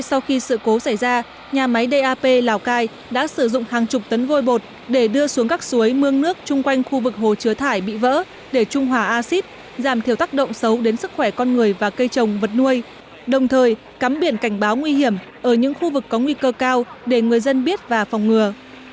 sau khi sự cố xảy ra nhà máy dap lào cai đã sử dụng hàng chục tấn vôi bột để đưa xuống các suối mương nước chung quanh khu vực hồ chứa thải bị vỡ để trung hòa acid giảm thiểu tác động xấu đến sức khỏe con người và cây trồng vật nuôi đồng thời cắm biển cảnh báo nguy hiểm ở những khu vực có nguy cơ cao để người dân biết và phòng ngừa